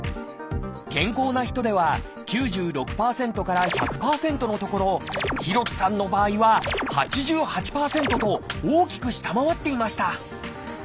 健康な人では９６％から１００％のところ廣津さんの場合は８８％と大きく下回っていました。